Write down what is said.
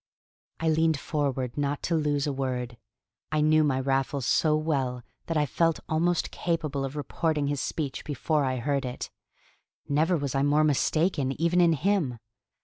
I leaned forward not to lose a word. I knew my Raffles so well that I felt almost capable of reporting his speech before I heard it. Never was I more mistaken, even in him!